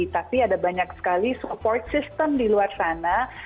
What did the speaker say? tapi ada banyak sekali support system di luar sana